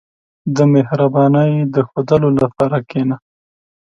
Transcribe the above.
• د مهربانۍ د ښوودلو لپاره کښېنه.